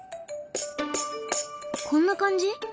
こんな感じ？